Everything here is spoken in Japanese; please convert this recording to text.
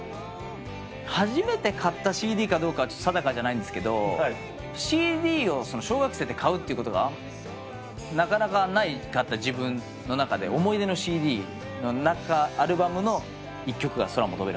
初めて買ったＣＤかどうかは定かじゃないんですけどＣＤを小学生で買うってことがなかなかなかった自分の中で思い出のＣＤの中アルバムの一曲が『空も飛べるはず』だった。